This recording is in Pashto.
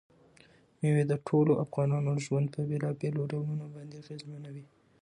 مېوې د ټولو افغانانو ژوند په بېلابېلو ډولونو باندې اغېزمنوي.